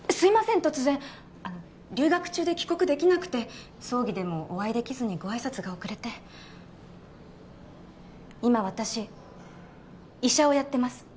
突然あの留学中で帰国できなくて葬儀でもお会いできずにご挨拶が遅れて今私医者をやってます